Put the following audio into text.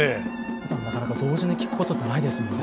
ふだんなかなか同時に聴くことってないですもんね。